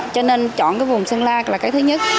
cho nên chọn cái vùng sơn la là cái thứ nhất